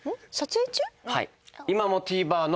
はい。